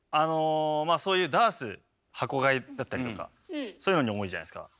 そういうダース箱買いだったりとかそういうのに多いじゃないですか。